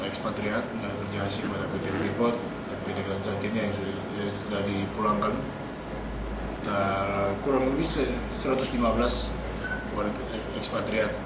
kami berhasil menerima satu lima ratus lima belas pekerja asing di timika